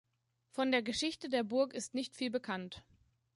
Von der Geschichte der Burg ist nicht viel bekannt.